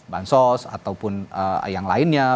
bansos ataupun yang lainnya